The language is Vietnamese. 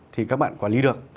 thì các bạn quản lý được